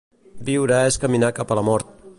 Viure és caminar cap a la mort.